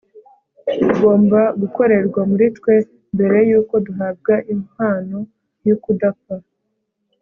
ugomba gukorerwa muri twe mbere yuko duhabwa impano yukudapfa